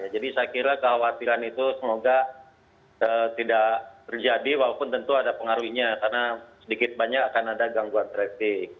jadi saya kira kekhawatiran itu semoga tidak terjadi walaupun tentu ada pengaruhinya karena sedikit banyak akan ada gangguan trafik